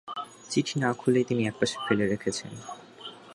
চিঠি না-খুলেই তিনি একপাশে ফেলে রেখেছেন।